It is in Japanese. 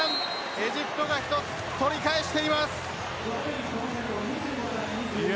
エジプトが一つ、取り返しています。